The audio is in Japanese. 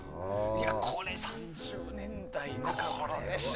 これ、３０年代中ごろでしょ。